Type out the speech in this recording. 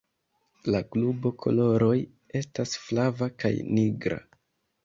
La klubo koloroj estas flava kaj nigra.